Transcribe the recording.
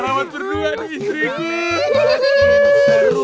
aku mau terangkat ke kantor dulu